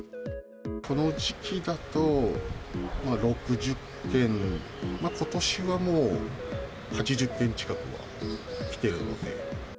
この時期だと６０件、ことしはもう８０件近くは来てるので。